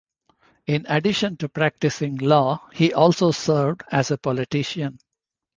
In addition to practicing law, he also served as a politician.